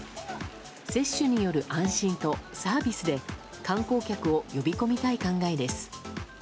接種による安心とサービスで観光客を呼び込みたい考えです。